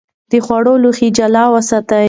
د خوړو لوښي جلا وساتئ.